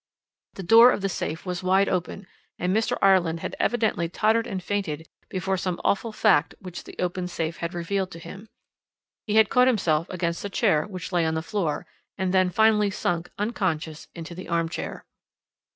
"The door of the safe was wide open, and Mr. Ireland had evidently tottered and fainted before some awful fact which the open safe had revealed to him; he had caught himself against a chair which lay on the floor, and then finally sunk, unconscious, into the arm chair.